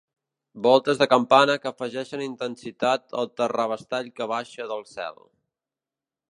Voltes de campana que afegeixen intensitat al terrabastall que baixa del cel.